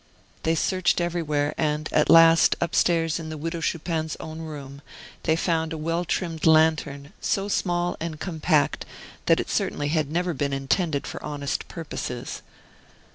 They searched everywhere, and, at last, upstairs in the Widow Chupin's own room, they found a well trimmed lantern, so small and compact that it certainly had never been intended for honest purposes.